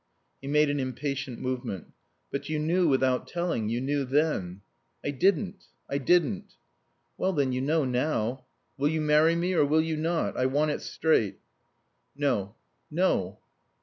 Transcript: He made an impatient movement. "But you knew without telling. You knew then." "I didn't. I didn't." "Well, then, you know now. Will you marry me or will you not? I want it straight." "No. No."